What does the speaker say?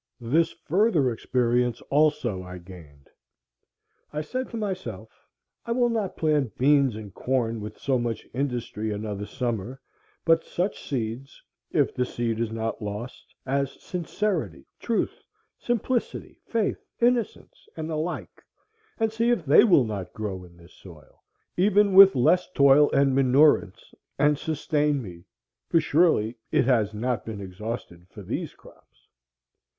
This further experience also I gained. I said to myself, I will not plant beans and corn with so much industry another summer, but such seeds, if the seed is not lost, as sincerity, truth, simplicity, faith, innocence, and the like, and see if they will not grow in this soil, even with less toil and manurance, and sustain me, for surely it has not been exhausted for these crops.